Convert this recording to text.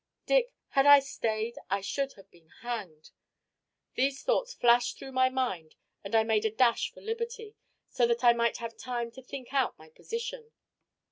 Dick, had I stayed I should have been hanged. These thoughts flashed through my mind and I made a dash for liberty, so that I might have time to think out my position.